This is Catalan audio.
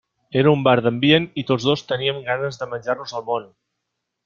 Era un bar d'ambient i tots dos teníem ganes de menjar-nos el món.